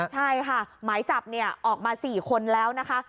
ใช่ค่ะหมายจับออกมา๔คนแล้วนะคะ